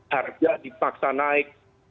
harga dipaksa naik